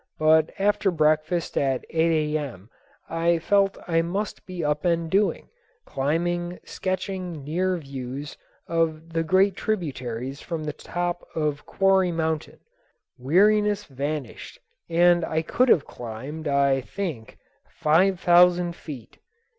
But after breakfast at 8 A.M. I felt I must be up and doing, climbing, sketching new views up the great tributaries from the top of Quarry Mountain. Weariness vanished and I could have climbed, I think, five thousand feet.